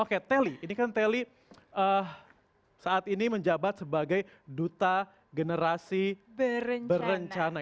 oke teli ini kan teli saat ini menjabat sebagai duta generasi berencana